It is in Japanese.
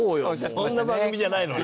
そんな番組じゃないのに？